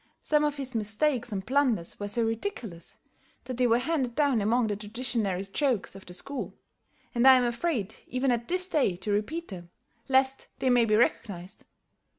Some of his mistakes and blunders were so ridiculous, that they were handed down among the traditionary jokes of the school, and I am afraid even at this day to repeat them, lest they may be recognized.